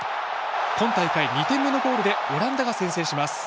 今大会２点目のゴールでオランダが先制します。